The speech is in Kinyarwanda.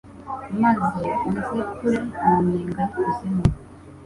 maze unzikure mu nyenga y’ikuzimu